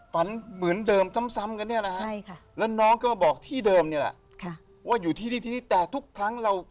ฝันเหมือนเดิมซ้ำกันเนี่ยนะค่ะ